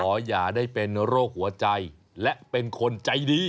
อย่าได้เป็นโรคหัวใจและเป็นคนใจดี